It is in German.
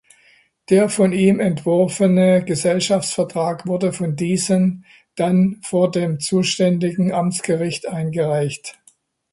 Der von ihm entworfene Gesellschaftsvertrag wurde von diesen dann vor dem zuständigen Amtsgericht eingereicht.